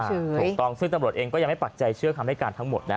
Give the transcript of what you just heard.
ถูกต้องซึ่งตัวปลอดรเองก็ยังไม่ปัจจัยเชื่อคำแรกการทั้งหมดนะ